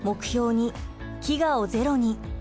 ２「飢餓をゼロに」。